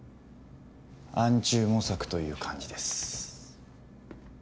暗中模索という感じです。